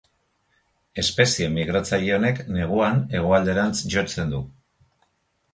Espezie migratzaile honek neguan hegoalderantz jotzen du.